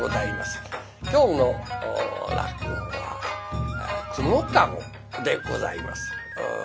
今日の落語は「蜘蛛駕籠」でございます。